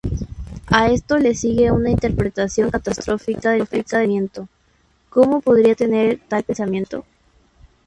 A esto le sigue una interpretación catastrófica del pensamiento: "¿Cómo podría tener tal pensamiento?